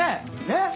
ねっ。